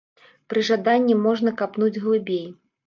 Пры жаданні можна капнуць глыбей.